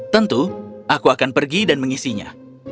tentu aku akan pergi dan mengisinya